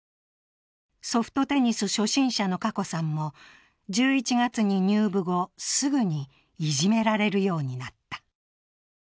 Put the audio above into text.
ソフトテニス初心者の華子さんも１１月に入部後すぐにいじめられるようになった。